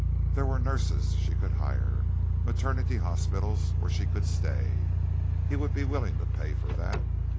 There were nurses she could hire maternity hospitals where she could stay. He would be willing to pay for that.